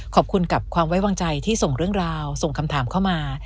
ขอบคุณกับความไว้วางใจที่ส่งเรื่องราวส่งคำถามเข้ามา